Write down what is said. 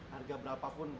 harga berapa pun